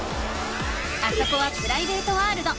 あそこはプライベートワールド。